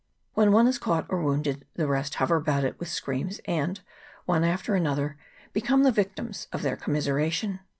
When one is caught or wounded, the rest hover about it with screams, and, one after another, become the victims of their commiseration.